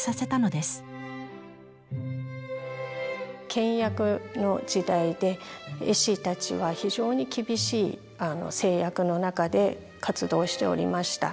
倹約の時代で絵師たちは非常に厳しい制約の中で活動しておりました。